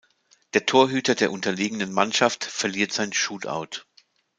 Der Torhüter der unterlegenen Mannschaft verliert sein Shutout.